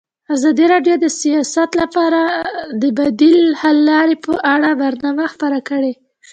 ازادي راډیو د سیاست لپاره د بدیل حل لارې په اړه برنامه خپاره کړې.